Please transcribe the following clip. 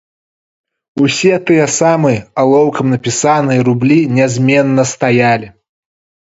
Усё тыя самыя, алоўкам напісаныя, рублі нязменна стаялі.